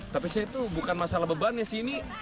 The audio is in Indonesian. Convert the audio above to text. tapi saya tuh bukan masalah bebannya sih ini